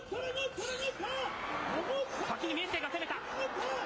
先に明生が攻めた。